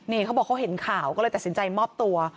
นี่เขาบอกเขาเห็นข่าวก็เลยตัดสินใจมอบตัว